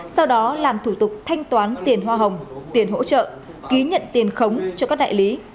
sau đó làm thủ tục thanh toán tiền hoa hồng tiền hỗ trợ ký nhận tiền khống cho các đại lý